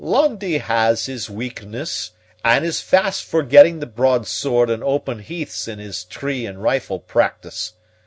"Lundie has his weakness, and is fast forgetting the broadsword and open heaths in his tree and rifle practice.